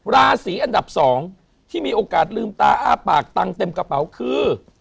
ราศีอันดับ๒ที่มีโอกาสลืมตาอ้าปากตังค์เต็มกระเป๋าคือ